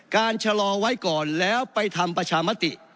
ชะลอไว้ก่อนแล้วไปทำประชามติ